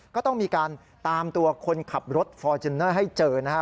ก็ต้องมีการตามตัวคนขับรถฟอร์จูเนอร์ให้เจอนะครับ